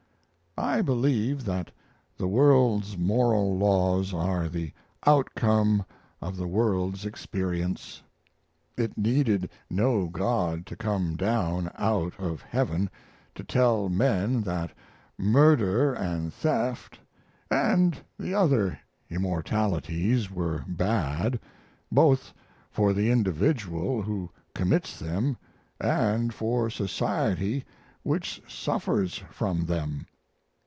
I believe that the world's moral laws are the outcome of the world's experience. It needed no God to come down out of heaven to tell men that murder and theft and the other immoralities were bad, both for the individual who commits them and for society which suffers from them.